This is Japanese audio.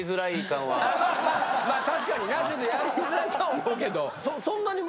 確かにな。